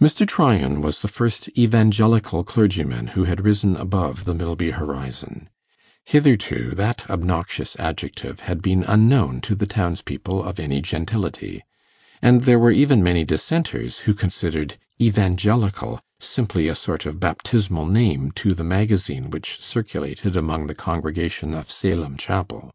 Mr. Tryan was the first Evangelical clergyman who had risen above the Milby horizon: hitherto that obnoxious adjective had been unknown to the townspeople of any gentility; and there were even many Dissenters who considered 'evangelical' simply a sort of baptismal name to the magazine which circulated among the congregation of Salem Chapel.